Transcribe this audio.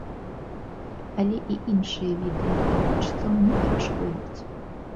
Але і іншыя відэа відавочцаў не перашкодзяць.